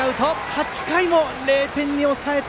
８回も０点に抑えた。